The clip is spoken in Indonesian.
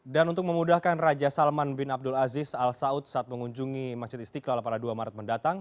dan untuk memudahkan raja salman bin abdul aziz al saud saat mengunjungi masjid istiqlal pada dua maret mendatang